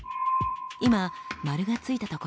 今丸がついた所。